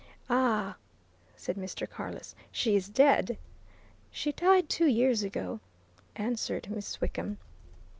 "Ah!" said Mr. Carless. "She is dead?" "She died two years ago," answered Miss Wickham.